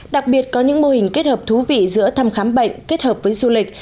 đặc biệt có những mô hình kết hợp thú vị giữa thăm khám bệnh kết hợp với du lịch